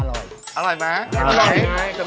หมดแล้วค่ะพี่กอล